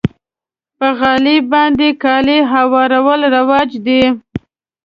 په غالۍ باندې کالي هوارول رواج دی.